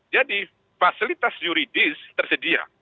jadi fasilitas juridis tersedia